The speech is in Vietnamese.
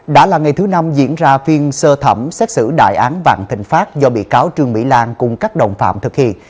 đã là ngày thứ năm diễn ra phiên sơ thẩm xét xử đại án vạn thịnh pháp do bị cáo trương mỹ lan cùng các đồng phạm thực hiện